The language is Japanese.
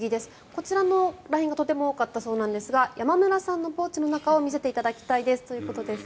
こちらのＬＩＮＥがとても多かったそうなんですが山村さんのポーチの中を見せていただきたいということです。